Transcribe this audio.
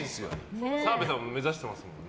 澤部さんも目指してますもんね。